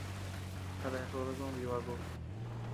A déa jobe koʼod jibaku.